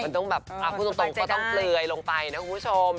มันต้องแบบพูดตรงก็ต้องเปลือยลงไปนะคุณผู้ชม